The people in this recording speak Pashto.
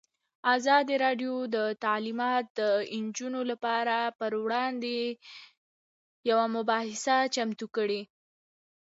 ازادي راډیو د تعلیمات د نجونو لپاره پر وړاندې یوه مباحثه چمتو کړې.